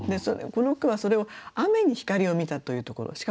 この句はそれを雨に光を見たというところ。